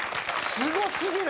すご過ぎる。